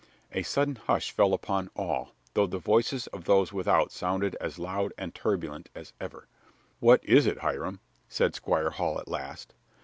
A sudden hush fell upon all, though the voices of those without sounded as loud and turbulent as ever. "What is it, Hiram?" said Squire Hall at last.